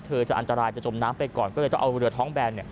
เธอจะอันตรายจะจมน้ำไปก่อนก็เลยต้องเอาเรือท้องแบน